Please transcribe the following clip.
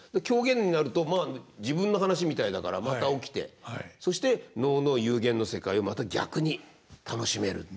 狂言になるとまあ自分の話みたいだからまた起きてそして能の幽玄の世界をまた逆に楽しめる。